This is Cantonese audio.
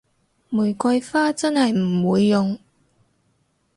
玫瑰花真係唔會用